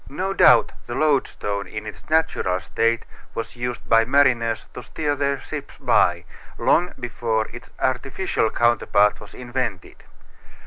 No doubt the loadstone in its natural state was used by mariners to steer their ships by, long before its artificial counterpart was invented.